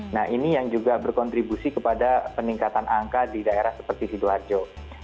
nah ini yang juga berkontribusi kepada peningkatan angka di daerah seperti sidoarjo